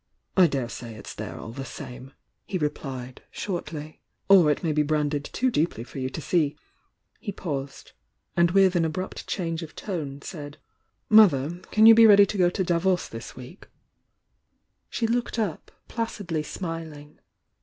"I dare say it's there all the same he replied shortly "Or it may be branded too deeply for you to™ He paused and with an abrupt change of SnT'said: "Mother, can you be ready to go to Davos this week?" She looked up, placidly smiling.